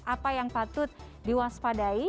apa yang patut diwaspadai